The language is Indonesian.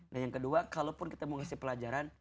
dan yang kedua kalaupun kita mau ngasih pelajaran